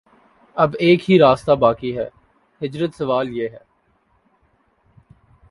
اب ایک ہی راستہ باقی ہے: ہجرت سوال یہ ہے